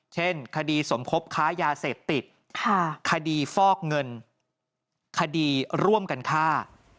เช่นคดีสมคบค้ายาเสพติดคดีฟอกเงินคดีร่วมกันฆ่า